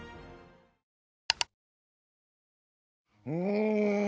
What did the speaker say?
うん。